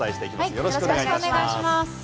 よろしくお願いします。